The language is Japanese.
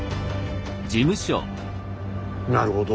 なるほど。